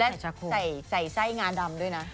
ใส่ไส้งาดำด้วยนะ